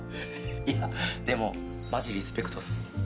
いやでもマジリスペクトっす。